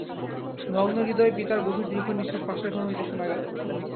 ভগ্নহৃদয় পিতার গভীর দীর্ঘনিশ্বাস পাশের ঘর হইতে শুনা গেল।